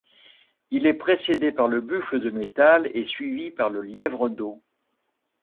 Il est précédé par le buffle de métal et suivi par le lièvre d'eau.